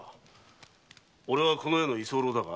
おれはこの家の居候だが？